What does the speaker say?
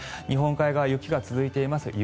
日本海側雪が続いています。